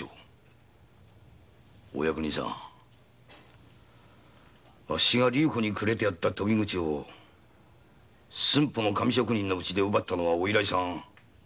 お役人さんあっしが龍虎にくれてやった鳶口を駿府の紙職人の家で奪ったのはお偉いさんお前さんでしたよね。